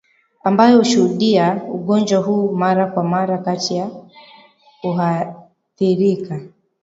ambayo hushuhudia ugonjwa huu mara kwa mara kati ya huathirika